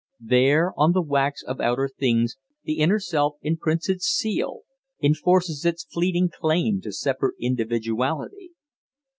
There, on the wax of outer things, the inner self imprints its seal enforces its fleeting claim to separate individuality.